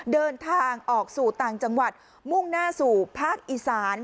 เดินทางออกสู่ต่างจังหวัดมุ่งหน้าสู่ภาคอีสาน